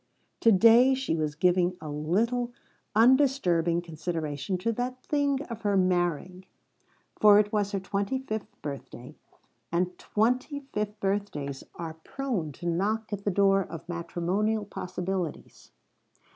To day she was giving a little undisturbing consideration to that thing of her marrying. For it was her twenty fifth birthday, and twenty fifth birthdays are prone to knock at the door of matrimonial possibilities.